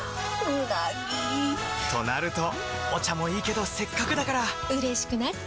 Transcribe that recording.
うなぎ！となるとお茶もいいけどせっかくだからうれしくなっちゃいますか！